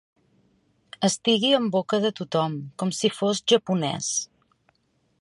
Estigui en boca de tothom, com si fos japonès.